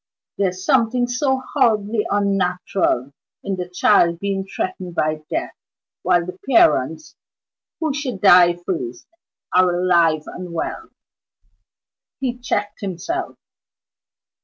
There's something so horribly unnatural in the child being threatened by death, while the parents (who should die first) are alive and well " He checked himself.